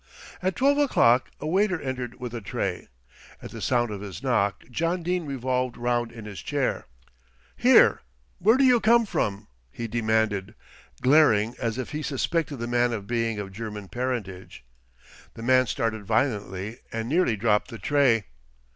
At twelve o'clock a waiter entered with a tray. At the sound of his knock, John Dene revolved round in his chair. "Here, where do you come from?" he demanded, glaring as if he suspected the man of being of German parentage. The man started violently and nearly dropped the tray.